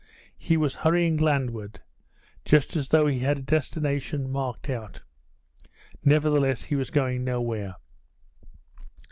He was hurrying landward, just as though he had a destination marked out; nevertheless he was going nowhere.